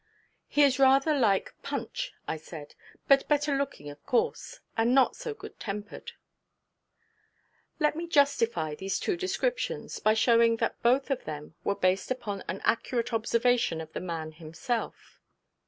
'He is rather like Punch,' I said, 'but better looking of course; and not so good tempered.' Let me justify these two descriptions by showing that both of them were based upon an accurate observation of the man himself.